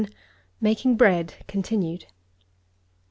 No. IV MAKING BREAD (CONTINUED.)